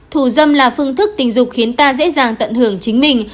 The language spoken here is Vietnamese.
thù dâm là phương thức tình dục khiến ta dễ dàng tận hưởng chính mình